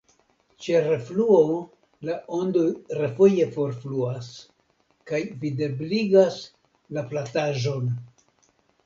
Ĉe refluo la ondoj refoje forfluas kaj videbligas „la plataĵon“.